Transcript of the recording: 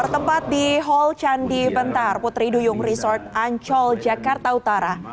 bertempat di hall candi bentar putri duyung resort ancol jakarta utara